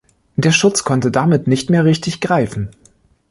Der Schutz konnte damit nicht mehr richtig greifen.